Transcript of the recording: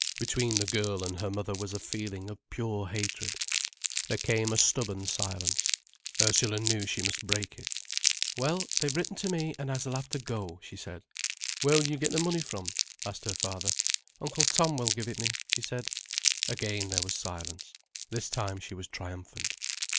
Between the girl and her mother was a feeling of pure hatred. There came a stubborn silence. Ursula knew she must break it. "Well, they've written to me, and I s'll have to go," she said. "Where will you get the money from?" asked her father. "Uncle Tom will give it me," she said. Again there was silence. This time she was triumphant.